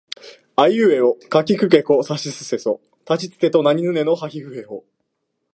あいうえおかきくけこさしすせそたちつてとなにぬねのはひふへほ